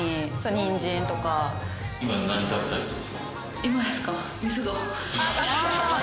今ですか？